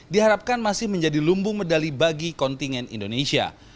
diharapkan masih menjadi lumbung medali bagi kontingen indonesia